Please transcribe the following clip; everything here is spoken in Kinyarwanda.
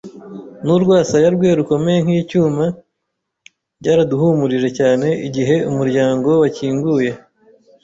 n'urwasaya rwe rukomeye nk'icyuma. Byaraduhumurije cyane igihe umuryango wakinguye